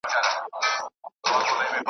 اول بویه چي انسان نه وي وطن کي .